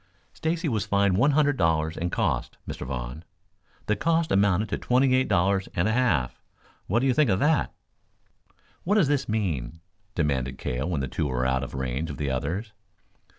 "Stacy was fined one hundred dollars and costs, Mr. Vaughn. The costs amounted to twenty eight dollars and a half. What do you think of that?" "What does this mean?" demanded Cale when the two were out of range of the others.